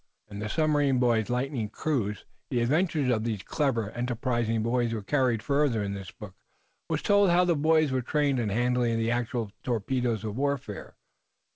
In "The Submarine Boys' Lightning Cruise" the adventures of these clever, enterprising boys were carried further. In this book, was told how the boys were trained in the handling of the actual torpedo of, warfare.